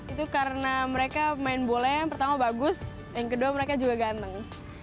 itu karena mereka main bola yang pertama bagus yang kedua mereka juga ganteng